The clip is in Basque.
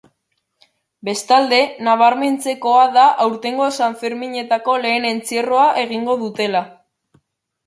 Bestalde, nabarmentzekoa da aurtengo sanferminetako lehen entzierroa egingo dutela.